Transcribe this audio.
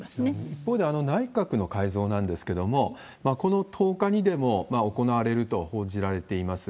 一方で、内閣の改造なんですけれども、この１０日でも行われると報じられています。